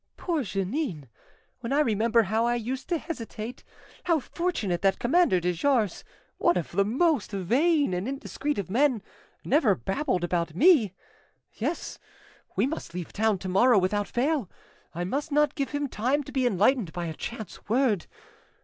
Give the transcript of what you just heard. "Poor Jeannin! When I remember how I used to hesitate. How fortunate that Commander de Jars, one of the most vain and indiscreet of men, never babbled about me! Yes, we must leave town to morrow without fail. I must not give him time to be enlightened by a chance word.